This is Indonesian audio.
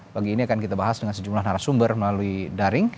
pagi ini akan kita bahas dengan sejumlah narasumber melalui daring